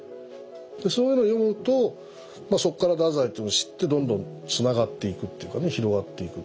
そういうのを読むとそっから太宰っていうのを知ってどんどんつながっていくっていうかね広がっていくっていう。